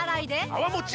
泡もち